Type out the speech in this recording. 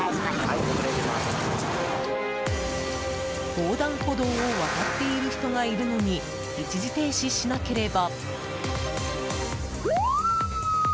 横断歩道を渡っている人がいるのに一時停止しなければ。